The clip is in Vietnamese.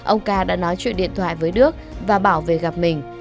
ông ca đã nói chuyện điện thoại với đức và bảo về gặp mình